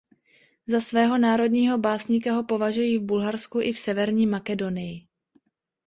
Za svého národního básníka ho považují v Bulharsku i v Severní Makedonii.